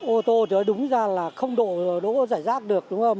ô tô thì đúng ra là không đổ giải rác được đúng không